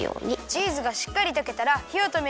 チーズがしっかりとけたらひをとめるよ。